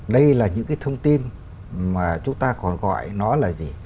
đây là những cái thông tin mà chúng ta còn gọi nó là gì